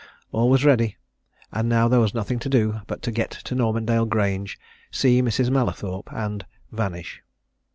All was ready and now there was nothing to do but to get to Normandale Grange, see Mrs. Mallathorpe, and vanish.